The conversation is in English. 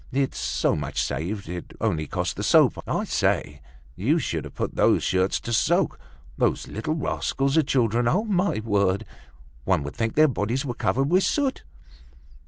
It's so much saved; it only costs the soap. I say, you should have put those shirts to soak. Those little rascals of children, on my word! One would think their bodies were covered with soot."